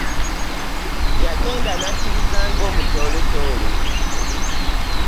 Yagenda nakkiriza nga omutooletoole .